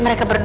bro gak keren